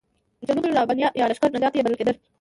جنودالربانیه یا لشکر نجات یې بلل کېدل.